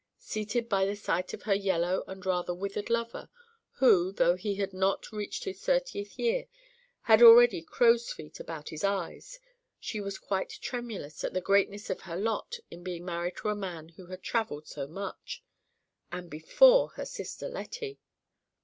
Seated by the side of her yellow and rather withered lover, who, though he had not reached his thirtieth year, had already crow's feet about his eyes, she was quite tremulous at the greatness of her lot in being married to a man who had travelled so much—and before her sister Letty!